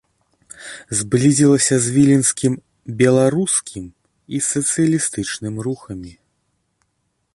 Зблізілася з віленскім беларускім і сацыялістычным рухамі.